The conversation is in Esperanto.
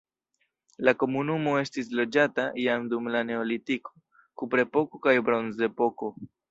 La komunumo estis loĝata jam dum la neolitiko, kuprepoko kaj bronzepoko.